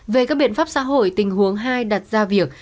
về các biện pháp xã hội tình huống hai đặt ra việc